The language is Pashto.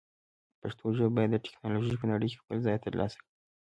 پښتو ژبه باید د ټکنالوژۍ په نړۍ کې خپل ځای ترلاسه کړي.